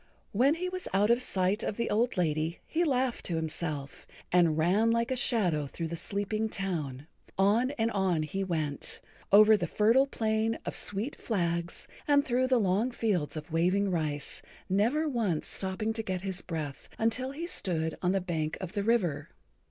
When he was out of sight of the old lady he laughed to himself, and ran like a shadow through the sleeping town. On and on he went, over the Fertile Plain of Sweet Flags and through the long fields of waving rice, never once stopping to get his breath until he stood on the bank of the river.